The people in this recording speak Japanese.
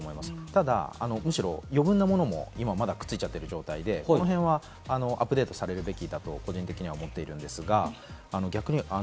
ただむしろ余分な事もくっ付いちゃっている状態だと思うので、アップデートをされるべきだと個人的に思ってます。